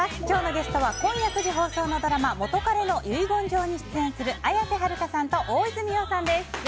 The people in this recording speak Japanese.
今日のゲストは今夜９時放送のドラマ「元彼の遺言状」に出演する綾瀬はるかさんと大泉洋さんです。